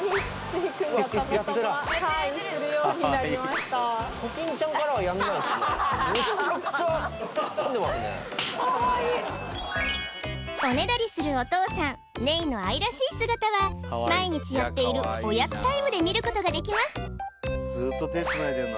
めっちゃくちゃおねだりするお父さんネイの愛らしい姿は毎日やっているおやつタイムで見ることができます